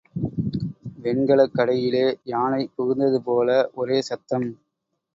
வெண்கலக் கடையிலே யானை புகுந்தது போல ஒரே சத்தம்.